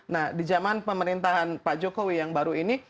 nah di zaman pemerintahan pak jokowi yang baru ini